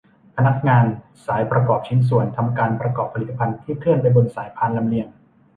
พนักงานสายประกอบชิ้นส่วน ทำการประกอบผลิตภัณฑ์ ที่เคลื่อนไปบนสายพานลำเลียง